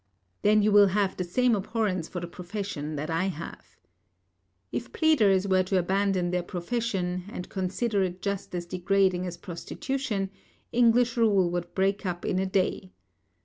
Then you will have the same abhorrence for the profession that I have. If pleaders were to abandon their profession, and consider it just as degrading as prostitution, English rule would break up in a day.